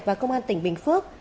và công an tỉnh bình phước